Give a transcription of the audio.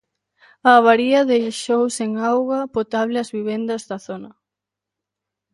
A avaría deixou sen auga potable as vivendas da zona.